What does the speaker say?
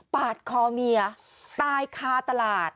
ปาดคอเมียตายคาตลาด